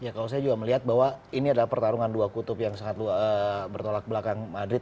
ya kalau saya juga melihat bahwa ini adalah pertarungan dua kutub yang sangat bertolak belakang madrid